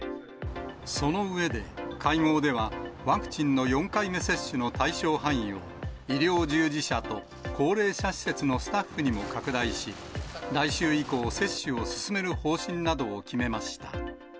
その上で、会合ではワクチンの４回目接種の対象範囲を、医療従事者と高齢者施設のスタッフにも拡大し、来週以降、接種を進める方針などを決めました。